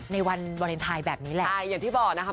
ในวันวอเลนไทยแบบนี้แหละ